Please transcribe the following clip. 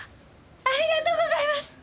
ありがとうございます！